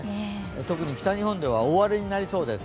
特に北日本では大荒れになりそうです。